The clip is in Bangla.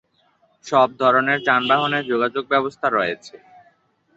সব ধরনের যানবাহনে যোগাযোগ ব্যবস্থা রয়েছে।